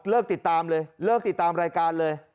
ติดตามเลยเลิกติดตามรายการเลย